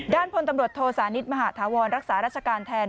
พลตำรวจโทสานิทมหาธาวรรักษาราชการแทน